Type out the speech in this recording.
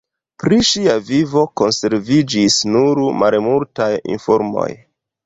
Pri ŝia vivo konserviĝis nur malmultaj informoj.